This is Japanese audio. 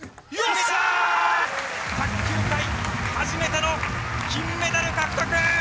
卓球界、初めての金メダル獲得！